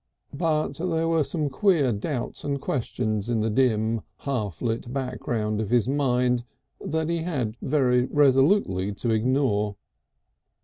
But there were some queer doubts and questions in the dim, half lit background of his mind that he had very resolutely to ignore.